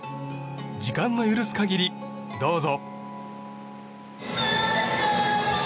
時間の許す限り、どうぞ。